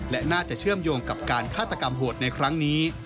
และน่าจะเชื่อมโยงกับการฆาตกรรมโหดในครั้งนี้